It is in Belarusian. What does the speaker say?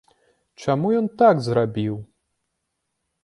Чаму ён так зрабіў?